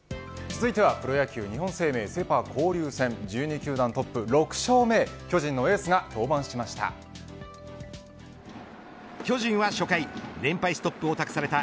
続いてプロ野球日本生命セ・パ交流戦１２球団トップ６勝目へ巨人のエースが登板しました。